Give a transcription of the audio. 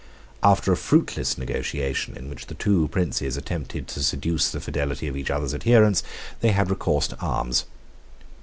After a fruitless negotiation, in which the two princes attempted to seduce the fidelity of each other's adherents, they had recourse to arms.